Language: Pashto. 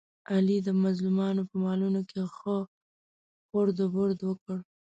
علي د مظلومانو په مالونو کې ښه خورد برد وکړ.